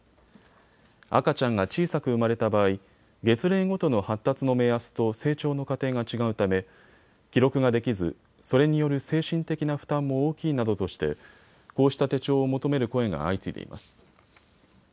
赤ちゃんが小さく産まれた場合月齢ごとの発達の目安と成長の過程が違うため記録ができず、それによる精神的な負担も大きいなどとしてこうした手帳を求める声が相次いでいます。